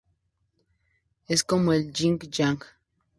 Es como el Ying-Yang.